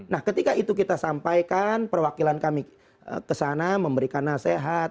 nah ketika itu kita sampaikan perwakilan kami kesana memberikan nasihat